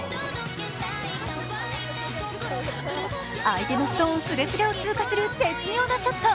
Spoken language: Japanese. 相手のストーン、擦れ違い通過する絶妙なショット。